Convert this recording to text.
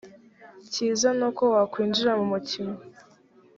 cyiza ni uko wakwinjira mu mukino